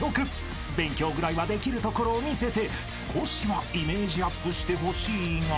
［勉強ぐらいはできるところを見せて少しはイメージアップしてほしいが］